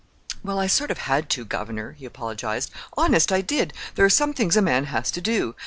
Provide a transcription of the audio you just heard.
"Well, I sort of had to, governor," he apologized. "Honest, I did. There are some things a man has to do!